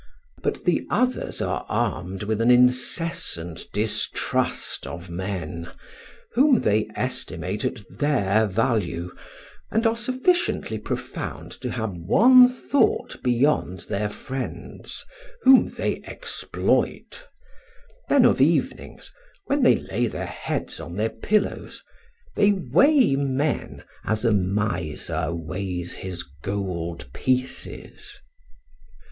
But the others are armed with an incessant distrust of men, whom they estimate at their value, and are sufficiently profound to have one thought beyond their friends, whom they exploit; then of evenings, when they lay their heads on their pillows, they weigh men as a miser weighs his gold pieces.